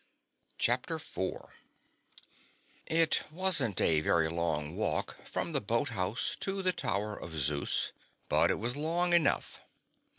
CHAPTER FOUR It wasn't a very long walk from the Boat House to the Tower of Zeus, but it was long enough.